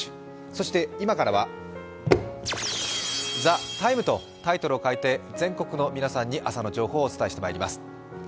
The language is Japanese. そして、今からは「ＴＨＥＴＩＭＥ，」とタイトルを変えて全国の皆さんに朝の情報をお伝えしてまいります。